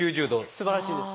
すばらしいです。